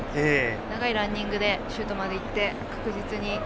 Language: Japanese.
長いランニングでシュートまで行って確実に。